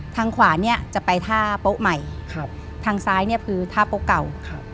ทางขวาเนี่ยจะไปท่าโป๊ะใหม่ครับทางซ้ายเนี่ยคือท่าโป๊ะเก่าครับ